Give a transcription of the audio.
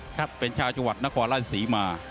ครับเป็นชาวจังหวัดนครราชศรีมา